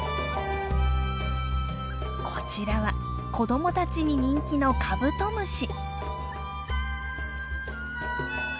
こちらは子供たちに人気のカブトムシ。